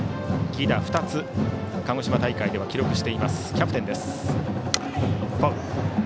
犠打、２つ鹿児島大会では記録しているキャプテンです。